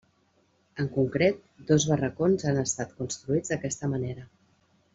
En concret, dos barracons han estat construïts d'aquesta manera.